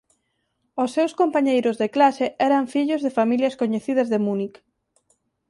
Os seus compañeiros de clase eran fillos de familias coñecidas de Múnic.